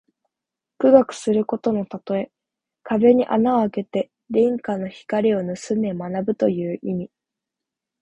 苦学することのたとえ。壁に穴をあけて隣家の光をぬすんで学ぶという意味。